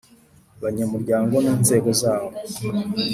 banyamuryango n inzego zawo